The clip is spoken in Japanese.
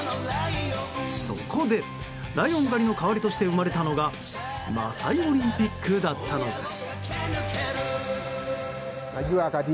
そこで、ライオン狩りの代わりとして生まれたのがマサイ・オリンピックだったのです。